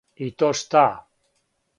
И то шта.